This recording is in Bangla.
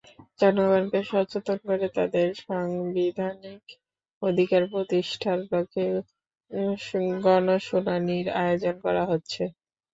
জনগণকে সচেতন করে তাদের সাংবিধানিক অধিকার প্রতিষ্ঠার লক্ষ্যে গণশুনানির আয়োজন করা হচ্ছে।